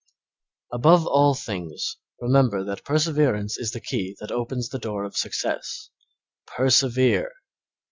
Above all things, remember that perseverance is the key that opens the door of success. Persevere!